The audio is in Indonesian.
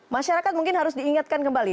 masyarakat mungkin harus diingatkan kembali